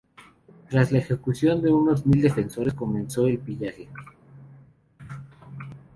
Tras la ejecución de unos mil defensores comenzó el pillaje.